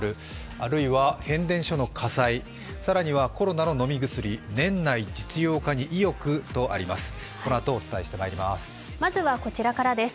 あるいは変電所の火災、更にはコロナの飲み薬、年内実用化に意欲とあります、このあとお伝えします。